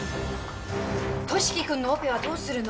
俊樹くんのオペはどうするの？